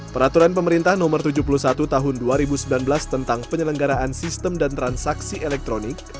peraturan pemerintah no tujuh puluh satu tahun dua ribu sembilan belas tentang penyelenggaraan sistem dan transaksi elektronik